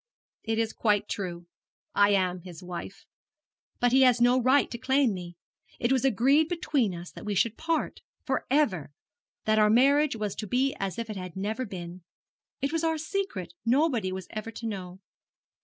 'It is quite true I am his wife but he has no right to claim me. It was agreed between us that we should part for ever that our marriage was to be as if it had never been. It was our secret nobody was ever to know.'